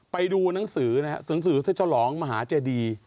ไปดูหนังสือนะครับหนังสือเศรษฐรองมหาเจดี